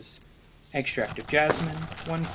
Extract of jasmine 1 qt.